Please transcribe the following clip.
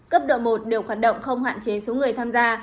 cấp độ một đều hoạt động không hạn chế số người tham gia